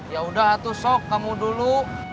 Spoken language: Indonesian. ya udah tuh sok kamu dulu